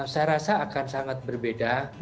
saya rasa akan sangat berbeda